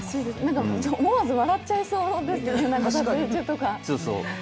思わず笑っちゃいそうですね、撮影中とか。